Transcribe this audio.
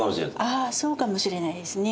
ああそうかもしれないですね。